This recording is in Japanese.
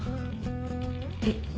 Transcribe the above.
えっ？